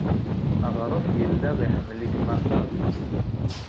Aɣref yella iḥemmel-ikem aṭas.